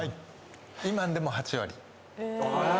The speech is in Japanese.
今のでも８割。